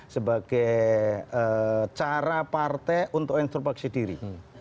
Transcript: sebagai cara partai untuk instruksi diri